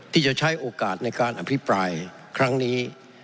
ที่จะใช้โอกาสในการอภิปรายครั้งนี้